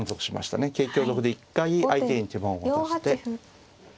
桂香得で一回相手に手番を渡して。